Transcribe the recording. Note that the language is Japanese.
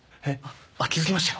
気付きましたよ。